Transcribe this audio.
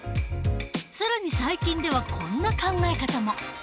更に最近ではこんな考え方も。